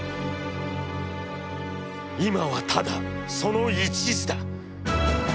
いまはただその一事だ。